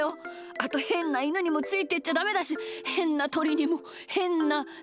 あとへんなイヌにもついてっちゃダメだしへんなとりにもへんなネコにも。